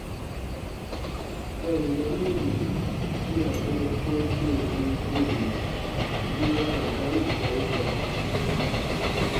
Gari yari yì yi ra gari kom temgii gbinnɛ yi wãa gari ita ye sɔɔ?